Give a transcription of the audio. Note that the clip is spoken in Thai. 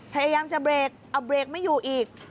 พยายามจะเบรกเอาเบรกไม่อยู่อีก